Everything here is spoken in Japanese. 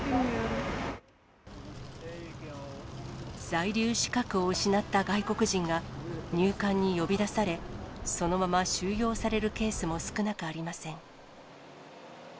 在留資格を失った外国人が、入管に呼び出され、そのまま収容されるケースも少なくありません。